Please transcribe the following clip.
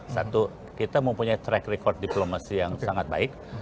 satu kita mempunyai track record diplomacy yang sangat baik